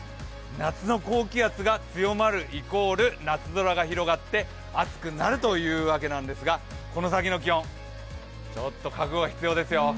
夏の高気圧が強まるイコール、夏空が広がって暑くなるというわけなんですがこの先の気温、ちょっと覚悟が必要ですよ。